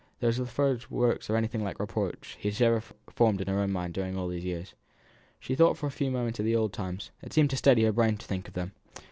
They were the first words of anything like reproach which she ever formed in her own mind during all these years. She thought for a few moments of the old times; it seemed to steady her brain to think of them.